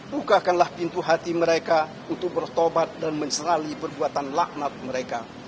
bukakanlah pintu hati mereka untuk bertobat dan mencerali perbuatan laknat mereka